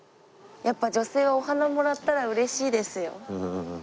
やっぱ女性はお花もらったら嬉しいですよ。